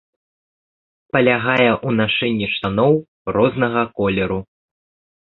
Палягае ў нашэнні штаноў рознага колеру.